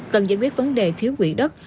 cần giải quyết vấn đề thiếu quỹ đất